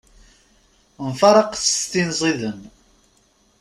Mfaraqet s tin ziden.